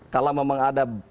kalau memang ada